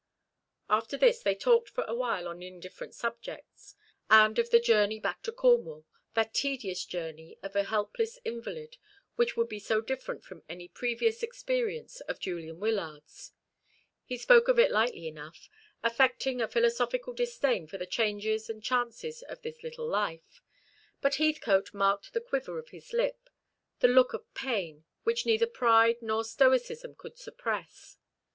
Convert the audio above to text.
After this they talked for a little while on indifferent subjects, and of the journey back to Cornwall that tedious journey of a helpless invalid which would be so different from any previous experience of Julian Wyllard's. He spoke of it lightly enough, affecting a philosophical disdain for the changes and chances of this little life: but Heathcote marked the quiver of his lip, the look of pain, which neither pride nor stoicism could suppress.